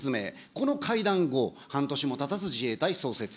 この会談後、半年もたたず自衛隊創設。